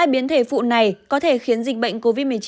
hai biến thể phụ này có thể khiến dịch bệnh covid một mươi chín